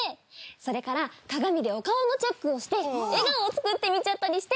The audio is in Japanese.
それから鏡でお顔のチェックをして笑顔を作ってみちゃったりして。